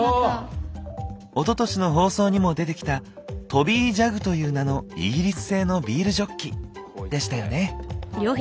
おととしの放送にも出てきたトビージャグという名のイギリス製のビールジョッキでしたよね？